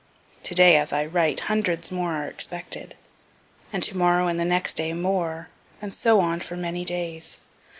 To day, as I write, hundreds more are expected, and to morrow and the next day more, and so on for many days.